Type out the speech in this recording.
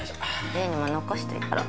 優にも残しといたろ